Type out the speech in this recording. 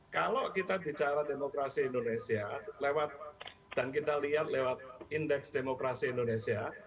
kalau kita bicara demokrasi indonesia lewat dan kita lihat lewat indeks demokrasi indonesia